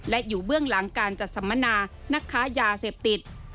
และอยู่เบื้องหลังการจัดสัมมนานักค้ายาเสพติด